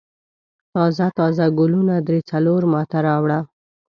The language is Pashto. تازه تازه ګلونه درې څلور ما ته راوړه.